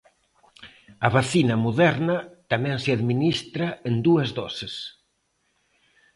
A vacina Moderna tamén se administra en dúas doses.